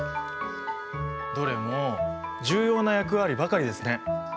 どれも重要な役割ばかりですね。